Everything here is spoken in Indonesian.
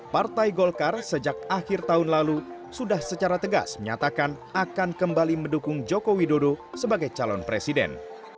partai golkar sejak akhir tahun lalu sudah secara tegas menyatakan akan kembali mendukung joko widodo sebagai calon presiden